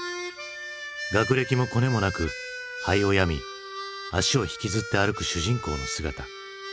学歴もコネもなく肺を病み足を引きずって歩く主人公の姿。